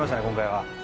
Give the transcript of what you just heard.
今回は。